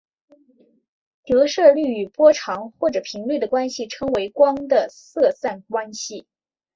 折射率与波长或者频率的关系称为光的色散关系。